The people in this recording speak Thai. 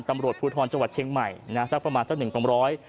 ตำรวจภูทรจังหวัดเชียงใหม่นะสักประมาณสักหนึ่งตรงร้อย